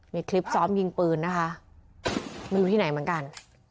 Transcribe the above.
มีคลิปซ้อมยิงปืนนะคะไม่รู้ที่ไหนเหมือนกัน